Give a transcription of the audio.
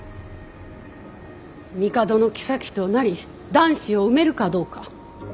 帝の后となり男子を産めるかどうか。